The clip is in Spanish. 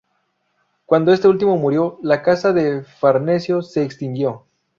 Cuando este último murió, la Casa de Farnesio se extinguió.